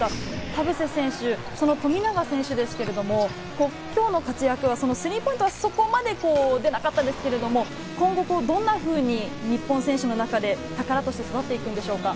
田臥選手、富永選手ですけれども、今日の活躍はスリーポイントはそこまで出なかったですけれども、今後どんなふうに日本選手の中で、宝として育っていくんでしょうか？